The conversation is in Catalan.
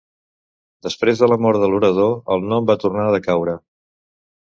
Després de la mort de l'orador, el nom va tornar a decaure.